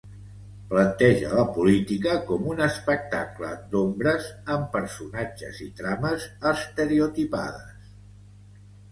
Planteja la política com un espectacle d'ombres amb personatges i trames estereotipades.